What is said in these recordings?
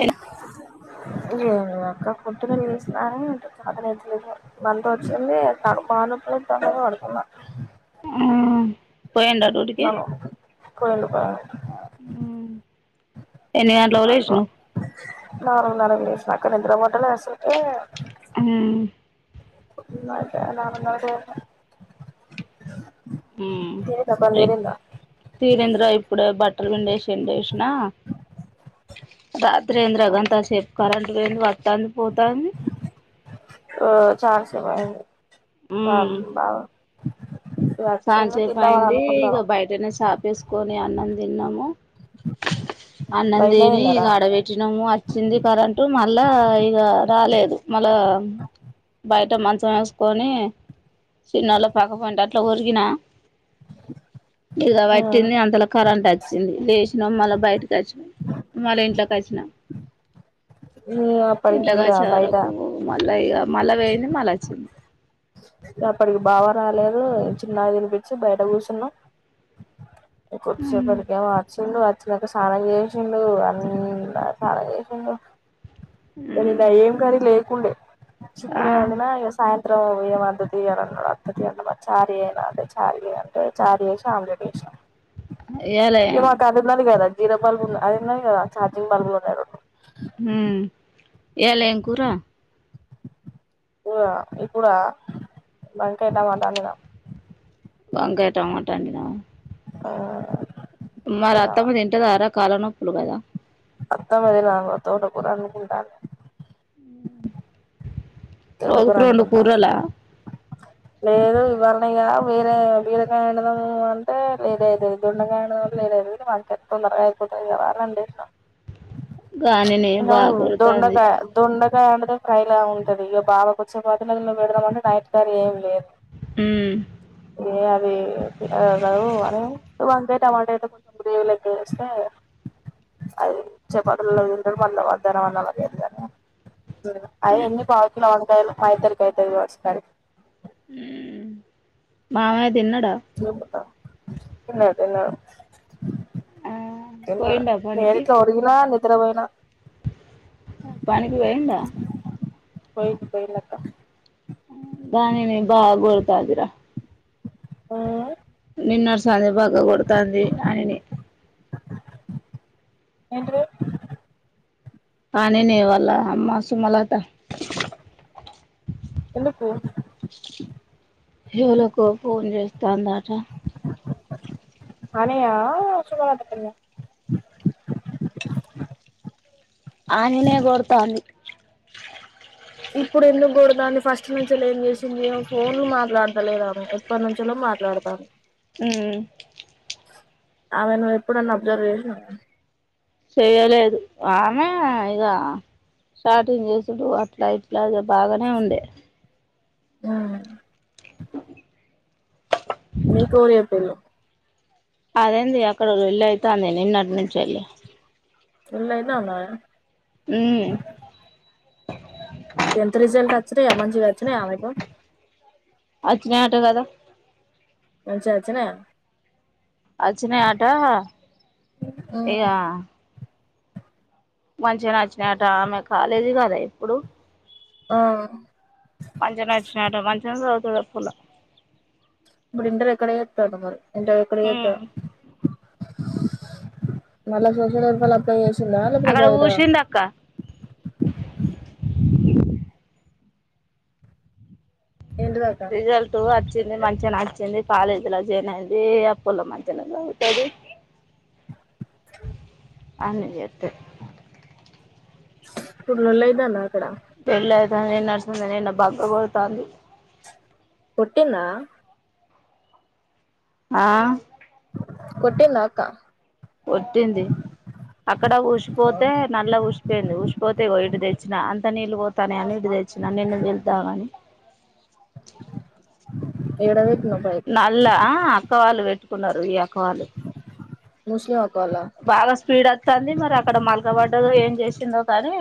ఎడ ఏమి అక్క కుట్టిన తీసిన అంటే చద నట్లేదు మంత వచ్చింది త బనప్పుల తడ పడుతుంద ఆ పోయిండా మ డ్యూటీకి పోలు ఆ ఎన్ని గట్లోలేష్ ను నాక నింద్ర మాటలా వసుతే ఆ ని మ తీరేంద్ర ఇప్పుడ బట్ట వి విషిన త్తేంద్ర గంతాసేప్ కరణ వట్టానికి పోతా ఆ చార్ స బయ ఆ బా అ సా చేేపు అయింది ఇక బయటనే చపేసుకో నం తన్నాము అన్నం బయటనే దేని తిన్నారా డబెట్టినాము వచ్చింది కరెంటు మళ్ళా ఇక రాలేదు మళ్ళా బయట మంచం వేసుకొని చిన్నళ పక్కపోయినట్ ఫ్లవర్కినా ఇద పట్టింది అంతలో కరంట వచ్చ వచ్చింది లేచినం మళ్ళ బయటికి వచ్చినాం మళ్ళా ఇంట్ల కచ్చినా అప్పటికి ఇంకా ఇంట్లకచే బయట వరకు మళ్ళా ఇగ మళ్ళా వేయింది మళ్ళా అచ్చింది. అప్పటికి బావ రాలేదు చిన్న తినిపించి బయట కూసున్న కొద్దిసేపటికేమో ఆచిందు ఆ అచినంక సానం చేసిండు అన్ని సానం చేసిండు ఆ మ్మ్ నిన్న ఏం కర్రీ లే కుండే ఆ చిక్కుడుగాయ అండిన ఇగ సాయం మాత్రం ఏం అద్దు తీ అని అన్నాడు అద్దు తీయాల మ చారు చేయన్న అంటే చారు అంటే చారు చేసి ఆమ్లెట్ యేసిన ఇయ్యాల ఇగ ఏం మా కాదున్నది కాద జీరో బల్బ్ ఉన్న అది ఉన్నది కద ఛార్జింగ్ బల్బ్ లు ఉన్నాయి రొండు ఉ ఇయ్యాల ఎంకూరా కూరనా ఇప్పుడా వంకాయ టమాట అండినా వంకాయ టమాట అండినవ ఆ మరి అత్తమ్మ తింట దారా కాలనొప్పు ప్పులు కదా అత్తమ్మ తిన అగొ తోటకూర అండుకుంటంది తోటకూర రోజుకు రెండు అండుకుంటంది కూరలా లేదు ఇవల్నే ఇగ వేరే బీరకాయ అండుదాము అంటే లేటైతది దొండకాయ అండుదాం అంటే లేటైతడి ఇది వంకాయ తొందరగా అయిపోతది కద అని అండేషినా గాలిని బాగా నవు కొడతాంది దొండకాయ దొండ దొండకాయ ఫ్రైలా ఉంటది ఇగ బావకు వచ్చే వాటి లలో పెడదాం అంటే నైట్ కర్రీ ఏం లేదు ఉ ఏ అది తినగలరు అని వంకాయ టమాటా అయితే కొంచెం గ్రేవీ లెక్క చేస్తే అది చపాతి లల్ల తింటడు మళ్ళ వద్దన మన్నగనీ లేదు గని ఆయేన్ని పావుకిలో వండు కాయలు మా ఇద్దరికీ అయితది కావచ్చు మరి ఉ మావయ్య చేం అక్క తిన్నడు తిన్నడు ఆ తిన్న పోయిండా నేను పనికి ఇట్ల ఒరిగిన ని నిద్రవోయిన పనికి వెయ్యిండా పోయి పోయిండక్క వాణి ని బాగా కొడుతందిర ఆ నిన్న చలి బాగా కొడుతాంది అనిని ఏంటిది కానీ నేవాల అమ్మాసు మల ఎందుకు హేళకో ఫోన్ చేస్తాందా కా అనయ సుమగాదుకు ఆ నేనే కొడతాంది ఇప్పుడు ఎందుకూడదన్ని ఫస్ట్ ప నుంచ ఏం చేసింది ఫోన్లు మాట్లాడతలేదామె ఎప్పటి నుంచలో మాట్లాడతాము అమ్ ఆమెనువ్వు ఎప్పుడన్నా అబ్జర్వ్ చేసినవా చెయ్యలేదు ఆమె ఇగ స్టార్టింగ్ చేసిడు అట్లా ఇట్లా బాగానే ఉండే ఆమ్ [inaudible] మీ కోరేపోలు అదేంది అక్కడ వెళ్ళి అవుతుంది నిన్నటి నుంచి వెళ్ళి ఇలేద్ నాన్నా హమ్ స అమ్మంజి విచ్చిన అమెకు అచ్చినట కదా మంచిచ్చనా అచ్చనే ఆట ఉమ్ ఏగా మంచిగా నచ్చినాట ఆమె కాలేజి కదా ఎప్పుడు ఆ మంచిగానే వెచ్చిని అటా మంచిగానే చదువుతాంది. స్కూలో ఇప్పుడు ఇంటర్ ఎక్కడ చేస్తాందో మరి ఇంటర్ అకడ చేస్తా ఉమ్ మళ్ళా సోషల్ వెల్ఫేర్ లో అప్లాయి చేస్తా చిన్నాల అక్కడ ప్రభాయరా కూసింది అక్క ఏంటిదక్క రిజల్ట్ అది వచ్చింది మంచిగా నచ్చింది కాలేజీలో జేరినది అప్పులో మంచినే చదువుతంది [inaudible] అ నేను జేతే కుర్లలో ఇదానా అక్కడ పెళ్ళయితే నే ఏంది అరుసుకుంటా నే బక్క గౌతాంది పుట్టిందా ఆ కొట్టిందా అక్క కొట్టింది అక్కడ ఆ ఉసిపోతే నల్ల ఉసిపోయింది ఉసిపోతే ఇదిగో యిట్ తెచ్చి అంతా నీలు పోతానాయని తెచ్చిన నిన్న తేదమని ఎడావే నల్ ఆహ్ అక్కవాళ్ళు వెట్ పట్టుకున్నారు ఈ అక వాళ్ళు ముస్లి బాగా స్పీడ్ ఆత్తంది మరి అక్కడ మల్గబడ్డ కూడా ఏం చేసిందో కానీ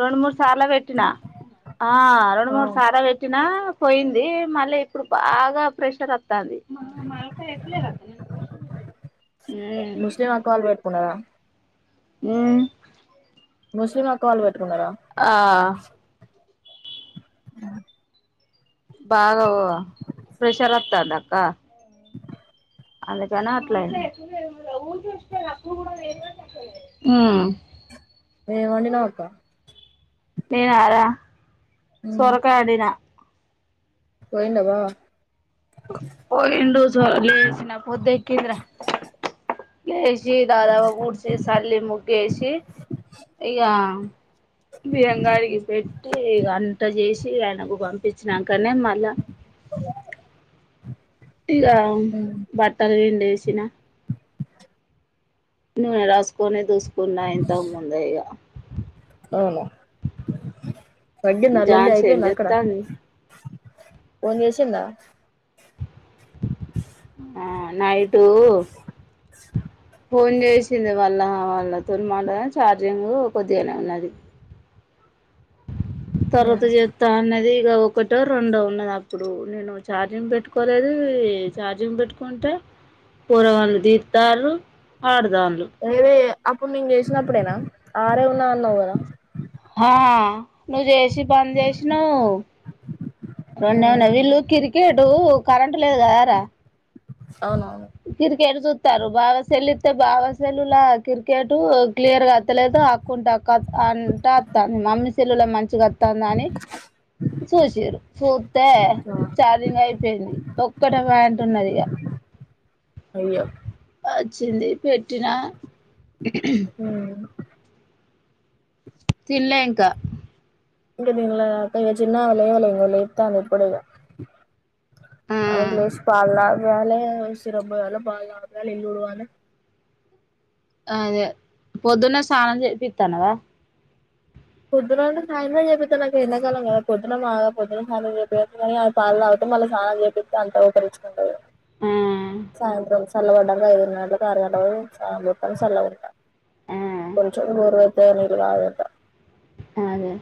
రెండు మూడు సార్లు పెట్టినా ఆహ్ రెండు ఆ మూడు సార పెట్టినా పోయింది మళ్ళీ ఇప్పుడు బాగా ప్రెషర్ మాల్కా ఎలేష హమ్ ముస్లిం అక్క వాళ్ళు పెట్టుకుంనారా హమ్ ముస్లిం అక్క వాళ్ళు పేట్ కున్నారా బాగావ ప్రెషర్ వత్తంది అక్క అందుకనా అట్లా అయింది హమ్ ఏం వండినవు అక్క నేనా రా సొరకాయ ఓన్డిన పోయిండ బావ పోయిడు సొర లేసిన పొద్దు ఎకిందిరా ఏ దాదాగా వుడిచి సల్లి ముగ్గేసి ఇగా బియంగాడికి పెట్టి ఇగ అంత చేసి టియనాగు పంపించినాకనే మళ్ళా టీ ఆహ్ మ్మ్ బట్టలు పిండేసి చ్చిన [unintelligible] రాస్కోనే దోసు కున్నా ఇంత ముంద ఇగా అవునా వాడి నల్లోలి ఝాన్సీ ఏం అయిపోయిందా అక్కడ చేత్తాంది ఫోన్ చేసిందా ఆహ్ నైట్ టూ ఫోన్ చేసింది వాళ్ళ వాళ్ళ తున్మాంట ఛార్జింగ్ కొద్దిగానే ఉన్నది తర్వాత చేత్త అన్నది ఇయ ఒకటో రెండో ఉన్నది అప్పుడు నేను చార్జింగ్ పెట్టుకోలేదు చార్జింగ్ పెట్టుకుంటే పొరగల్లు తీర్థాళ్ళు ఆడు [unintelligible] అప్పుడ్ నేన్ చెస్ చ్చినప్పుడేనా ఆరే ఉన్నా అన్నావు కదా హా నువ్ చె చి పన్ చేసినవ్ నా న్నా మ్మ్ వీళ్ళు కిరి కెటు కరెంట్ లేదు కదార అవునవును క్రికెట్ చుత్తరు భావ సెల్ ఇత్తె భావ సేలులా క్రికెటు క్లియార్గాత్తలేద ఆక్కుంటా ఆక్ కా అంట అత్త మమ్మీ స్ సెల్లుల మంచిగా ఆ త్తందని చూసిరృ చుత్తే ఆ ఛార్జింగ్ అయిపోయింది ఒక్కటె ప్యాంట్ ఉన్నది ఇగా అయ్యా అచ్చింది పేట్ ఇనా [unintelligible] మ్మ్ తిన్లే ఇంక ఇంకా తినాలేక్క ఇగ చిన్నమె లేవలే ఇంకా లేత్తంది ఇప్పుడే ఇగా ఆ లేస్ పాల్ తగ్ వాలే సిరబోయలే పాల్ తగ్ త ఇల్లుడువలె అదే పొద్దున్న స్నానం చెపిత్తన్నవ పొద్దున అంటే సాయంత్రం చెపిత్తరు. నాకు ఎంతకాలం కదా పొద్దున బాగా పోద్దున స్నానం చెత్తే కానీ పాల్తగుతం మళ్ళా సానాం చేపిత్తే అంత ఉబ్బరిచ్చుకుంటది. ఆ సాయంత్రం స్ చల్లపడ్డాంకా ఐదు గంటలెత్త ఆరు గంటలకు సానం చెత్త చల్లబడుత ఆ కొంచెం గోర్ ఏ నిది కదప్ప అగే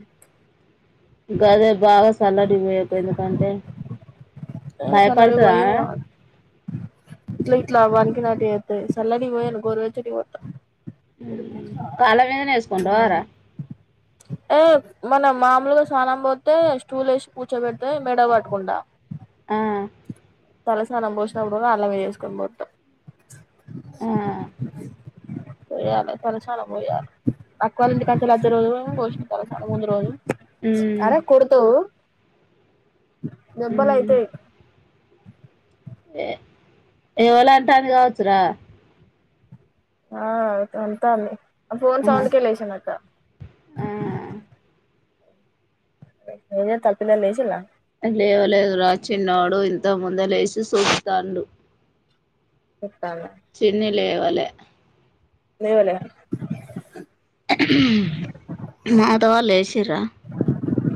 అ గదే బాగా సల్లటి పోయపోయినవు కంటే హే సల్లటి పోయలే ఇ ట్లా వానీకి నాట్టు చెత్తది సల్లడి పోయన్ గొర్వేచ్చటీవీ పోత్త కాళ్ళ మీదనే వేసుకుంట వారా ఏ మన మమూలుగా స్నానం పొత్తే స్టూలు ఏసి పూర్చోబెడితే మెడ పట్టుకుండా ఆ తలస్నానం పోసినప్పుడు కళ్ళ మీద ఏసుకొనీ పొత్తం ఆ పోయ్యాలి చాలా చాలా మ పోయ్యాలి తక్వలుంటి కలు అద్దది రోజులు పోష చాలా చాలా ముందు రోజులు ఉమ్, అరే కుడుతవు దెబ్బలయితే ఏ ఎవలాంటాని కావచ్చురా ఆతంతాని ఫోన్ ఆహా, సౌండ్కే లేేచిందక్క ఆ. పోయాక ఆళ్ళ పిల్ల లేచిందా లేవలేదు రా చిన్నోడు ఇంతకు ముందేలేసి సూత్తాండు చెప్పామ లేవలే లేవలే మాధవా లేచిరా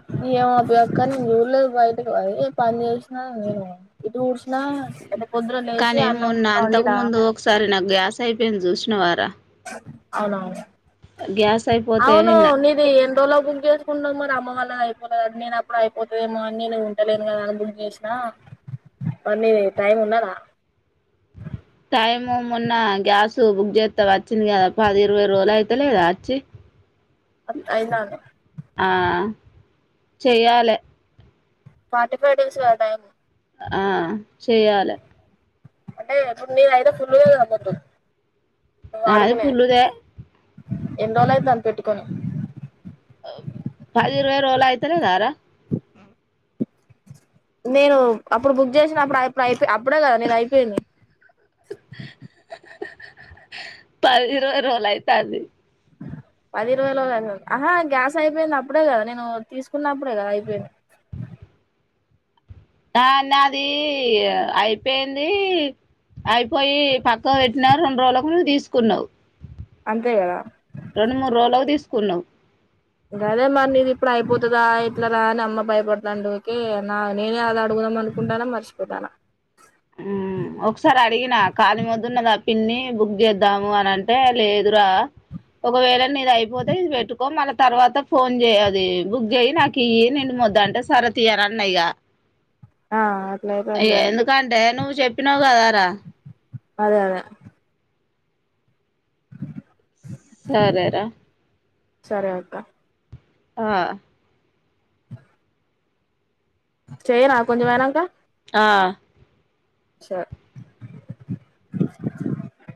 [unintelligible] నేను చూడలేదు బయటకు పోయి పని చేసిన నేను ఇల్లు ఊడుసు కానీ మొన్న కూర అంతకు వండినా ముందు ఒకసారి నాకు గ్యాస్ స అయిపోయింది చూసిన వారా అవునవును గ్యాస్ అయిపోతే అవును నిన్న నీది ఎన్ని రోజుల్లో బుక్ చేసుకుంటు మరి అమ్మ అలా అయిపోతు నేను అప్పుడు అయిపోతుదేమో అని నేను ఉంటలేను కదా అని బుక్ చేసినా మరి టైం ఉన్నాదా టైము మొన్న గ్యాస్ బుక్ చేస్తా వచ్చింది కదా పది ఇరవై రోజులు అయితలేదా వచ్చి అత్ ఐదును ఆ చెయ్యాలే ఫార్టీ ఫైవ్ డేస్ గా టైం ఆ చేయాలే అంటే పన్ని అఐతే ఫుల్ వ అబతు ఆది పుల్దే ఎన్ని రోజు అయితంది పెట్టుకొని పది ఇరవై రోల అయితేలే దారా నేను అప్పుడు బుక్ చేసిన అప్పుడు అప్పుడు అయిపోయి అప్పుడే కదా నిది అయిపోయింది పవిరులాయి అయితంది ఆహా గ్యాస్ అయిపోయింది అప్పుడే కదా నేను తీసుకున్నప్పుడే కదా అయిపోయింది ఆన్న నాది అయిపోయింది, అయిపోయి పక్క పెట్టిన రెండు రోజులకు నువ్వు తీసుకున్నావు్ అంతే కదా రెండు మూడు రోజులక్ తీస్ కున్నావ్ అదే మరి ఇది ఇప్పుడు అయిపోతుందా, ఇట్లా రా అని అమ్మ భయపడుతాండి ఓకే నా నేనే అలా అడుగుదాం అనుకుంటానా మర్చిపోతానా మ్ ఒకసారి అడిగినా, కళి మొదున్నద ఆ పిన్ని బుక్ చేద్దాము అని అంటే లేదురా ఒకవేళ న ఇది అయిపోతే ఇది పెట్టుకో మళ్ళ తర్వాత ఫోన్ చేయది బుక్ చెయి నాకు ఇవండి మొద్దంటే సర తీయాల అన్నైగా ఆ అట్లైతాంది ఎందుకంటే నువ్వు చెప్పినావు కదా రా అదే అదే సరే రా సరే అక్క ఆ చేయనా కొంచెం ఐనాకా ఆ అషా